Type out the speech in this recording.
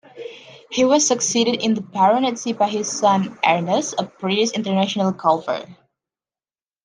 He was succeeded in the baronetcy by his son, Ernest, a British international golfer.